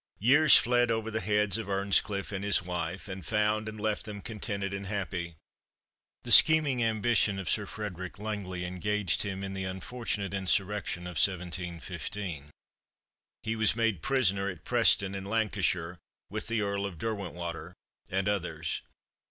Years fled over the heads of Earnscliff and his wife, and found and left them contented and happy. The scheming ambition of Sir Frederick Langley engaged him in the unfortunate insurrection of 1715. He was made prisoner at Preston, in Lancashire, with the Earl of Derwentwater, and others.